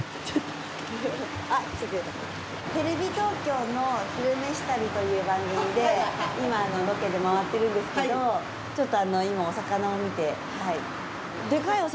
テレビ東京の「昼めし旅」という番組で今ロケでまわってるんですけどちょっと今お魚を見て。